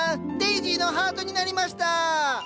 デージーのハートになりました！